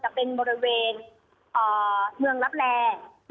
จะเป็นบริเวณเอ่อเมืองลับแลครับ